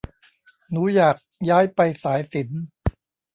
หนูอยากย้ายไปสายศิลป์